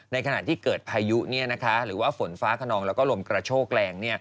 ในขณะที่เกิดพายุหรือว่าฝนฟ้าขนองแล้วก็ลมกระโชกแรง